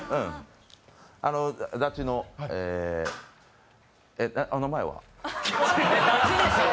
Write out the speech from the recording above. ダチのあのお名前は？